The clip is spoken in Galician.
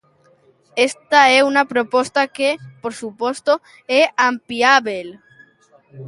Esta é a unha proposta que, por suposto, é ampliábel.